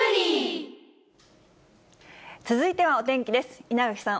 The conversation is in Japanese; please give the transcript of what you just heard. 続いてはお天気です。